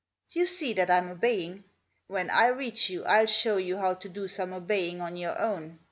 You see that Fm obeying. When I reach you I'll show you how to do some obeying on your own.